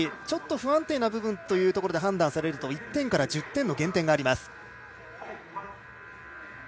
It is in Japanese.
ちょっと不安定な部分というところで判断されると１点から１０点の減点があります。